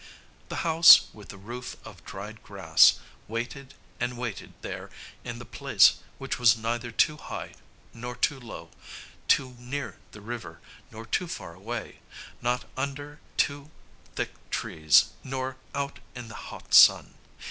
The house with the roof of dried grass waited and waited there in the place which was neither too high nor too low, too near the river nor too far away, not under too thick trees nor out in the hot sun.